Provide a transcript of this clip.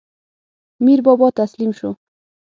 میربابا تسلیم شو.